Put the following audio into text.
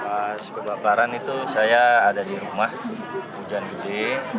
pas kebakaran itu saya ada di rumah hujan gede